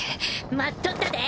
待っとったで。